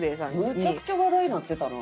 めちゃくちゃ話題になってたな。